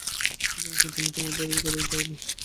মুখুজ্যেমশায়, তুমি তোমার বাইরের ঘরে যাও-না।